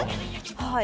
はい。